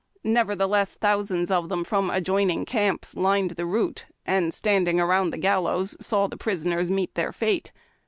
Nevertheless, thousands of them from adjoining camps lined the route, and, standing around the gallows, saw the prisoners meet their fate.